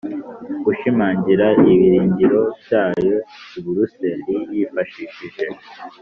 gushimangira ibirindiro byayo i buruseli yifashishije